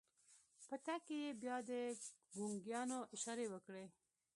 په تګ کې يې بيا د ګونګيانو اشارې وکړې.